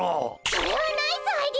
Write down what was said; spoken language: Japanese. それはナイスアイデア！